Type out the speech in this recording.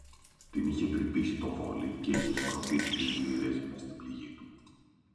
Την είχε τρυπήσει το βόλι, και είχε σκορπίσει τις λίρες μες στην πληγή του